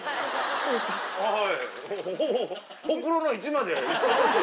はい。